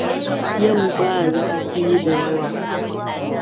Yau ba zafi da yawa.